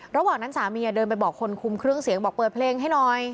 ระหว่างนั้นสามีเดินไปบอกคนคุมเครื่องเสียงบอกเปิดเพลงให้หน่อย